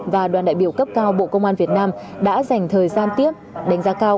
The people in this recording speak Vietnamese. và đoàn đại biểu cấp cao bộ công an việt nam đã dành thời gian tiếp đánh giá cao